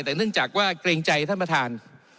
แต่เนื่องจากว่าเกรงใจท่านประธาน